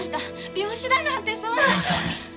病死だなんてそんな！望。